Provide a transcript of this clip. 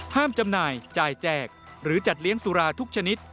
จำหน่ายจ่ายแจกหรือจัดเลี้ยงสุราทุกชนิด